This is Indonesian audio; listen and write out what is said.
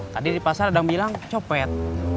tadi di pasar ada bilang copet